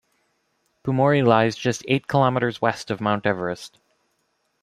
Pumori lies just eight kilometres west of Mount Everest.